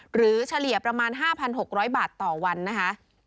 เฉลี่ยประมาณ๕๖๐๐บาทต่อวันนะคะ